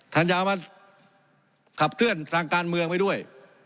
ท่านอยากเอามาขับเคลื่อนทางการเมืองไปด้วย